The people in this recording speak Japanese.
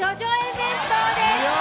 弁当です。